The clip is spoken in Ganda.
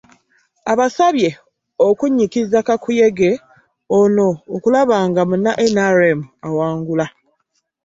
Abasabye okunnyikiza kakuyege ono okulaba nga munna NRM awangula.